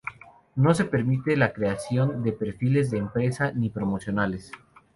No se permite la creación de perfiles de empresa ni promocionales.